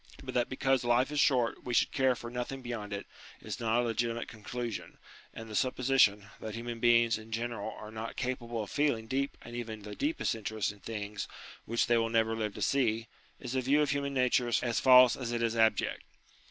But that because life is short we should care for nothing beyond it, is not a legitimate conclusion ; and the supposition, that human beings in general are not capable of feeling deep and even the deepest interest in things which they will never live to see, is a view of human nature as false as it is abject.